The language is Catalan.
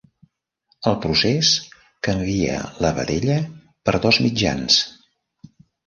El procés canvia la vedella per dos mitjans.